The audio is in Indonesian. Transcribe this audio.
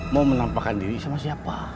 mau menampakkan diri sama siapa